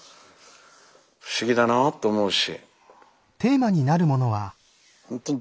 不思議だなと思うし。